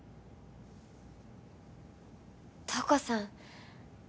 瞳子さん